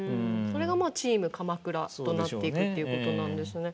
それがチーム鎌倉となっていくっていうことなんですね。